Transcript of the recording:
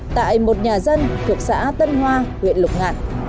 tại một nhà dân thuộc xã tân hoa huyện lục ngạn